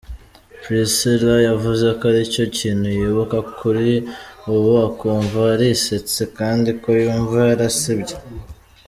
Priscillah yavuze ko aricyo kintu yibuka kuri ubu akumva arisetse kandi ko yumva yarasebye.